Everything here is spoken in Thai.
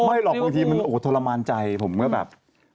หรอกบางทีมันโอ้โหทรมานใจผมก็แบบ